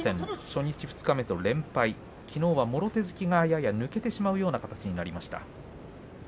初日、二日目と連敗きのうもろ手突きがやや抜けてしまうような形になりました。